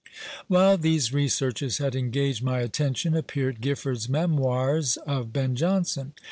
While these researches had engaged my attention, appeared Gifford's Memoirs of Ben Jonson.